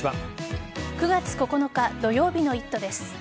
９月９日土曜日の「イット！」です。